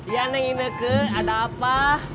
yang ini ada apa